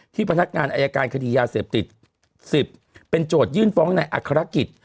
พนักงานอายการคดียาเสพติด๑๐เป็นโจทยื่นฟ้องในอัครกิจ